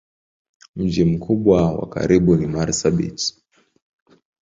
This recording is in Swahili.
Mji mkubwa wa karibu ni Marsabit.